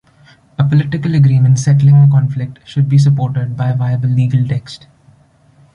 A political agreement settling a conflict should be supported by a viable legal text.